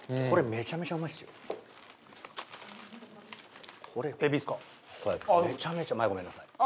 めちゃめちゃ前ごめんなさい。